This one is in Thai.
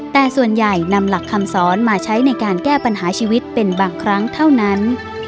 แต่ส่วนใหญ่นำหลักคำสอนมาใช้ในการแก้ปัญหาชีวิตเป็นบางครั้งเท่านั้น